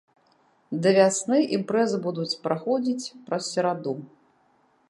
Да вясны імпрэзы будуць праходзіць праз сераду.